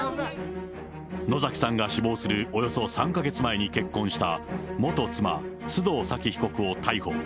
野崎さんが死亡するおよそ３か月前に結婚した元妻、須藤早貴被告を逮捕。